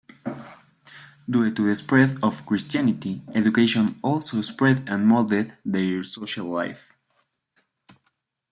Due to the spread of Christianity, education also spread and molded their social life.